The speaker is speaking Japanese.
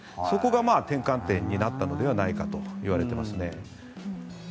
そこが転換点になったのではないかといわれていますね。